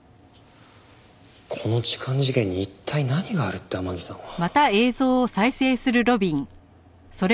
この痴漢事件に一体何があるって天樹さんは。